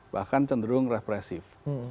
bahkan cenderung represif